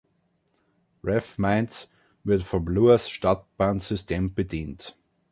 Rathmines wird vom Luas-Stadtbahnsystem bedient.